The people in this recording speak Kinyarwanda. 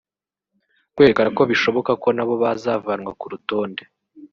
rwerekana ko bishoboka ko nabo bazavanwa ku rutonde